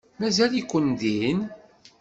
Mazal-iken din?